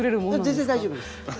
全然大丈夫です。